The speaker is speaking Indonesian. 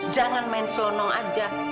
jangan main selonong aja